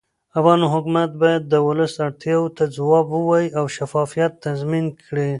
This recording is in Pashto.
افغان حکومت باید د ولس اړتیاوو ته ځواب ووایي او شفافیت تضمین کړي